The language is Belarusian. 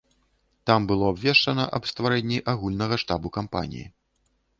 Там было абвешчана аб стварэнні агульнага штабу кампаніі.